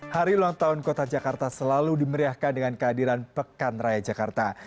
hari ulang tahun kota jakarta selalu dimeriahkan dengan kehadiran pekan raya jakarta